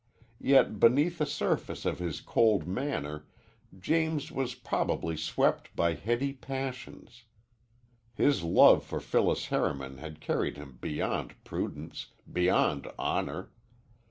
Yet beneath the surface of his cold manner James was probably swept by heady passions. His love for Phyllis Harriman had carried him beyond prudence, beyond honor.